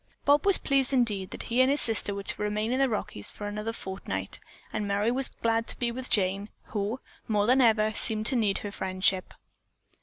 Bob was pleased indeed that he and his sister were to remain in the Rockies for another fortnight, and Merry was glad to be with Jane, who, more than ever, seemed to need her friendship.